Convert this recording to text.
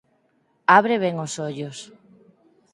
Abre ben os ollos.